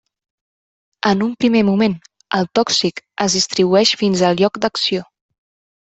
En un primer moment el tòxic es distribueix fins al lloc d’acció.